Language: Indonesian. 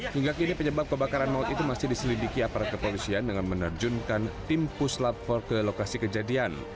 hingga kini penyebab kebakaran maut itu masih diselidiki aparat kepolisian dengan menerjunkan tim puslap empat ke lokasi kejadian